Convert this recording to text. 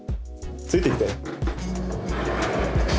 ついてきて。